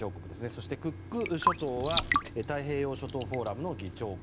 そしてクック諸島は太平洋諸島フォーラムの議長国。